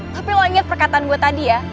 tapi lo inget perkataan gue tadi ya